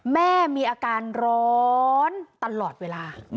แม่มีอาการร้อนตลอดเวลา